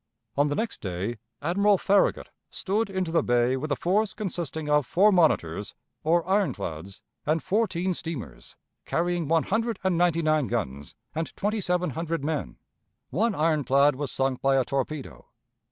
On the next day Admiral Farragut stood into the bay with a force consisting of four monitors, or ironclads, and fourteen steamers, carrying one hundred and ninety nine guns and twenty seven hundred men. One ironclad was sunk by a torpedo.